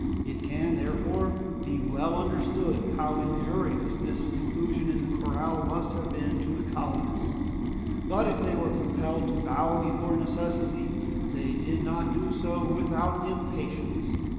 It can, therefore, be well understood how injurious this seclusion in the corral must have been to the colonists. But if they were compelled to bow before necessity, they did not do so without impatience.